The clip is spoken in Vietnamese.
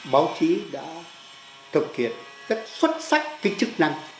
báo chí đã thực hiện rất xuất sắc cái chức năng